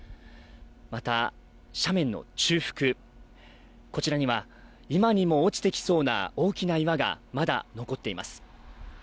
また斜面の中腹、こちらには今にも落ちてきそうな大きな岩がまだ残っています。